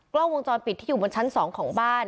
กล้องวงจรปิดที่อยู่บนชั้น๒ของบ้าน